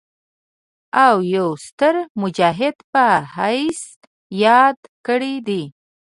او يو ستر مجاهد پۀ حييث ياد کړي دي